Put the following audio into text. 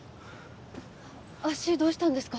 足どうしたんですか？